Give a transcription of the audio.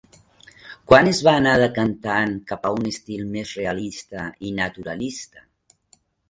Quan es va anar decantant cap a un estil més realista i naturalista?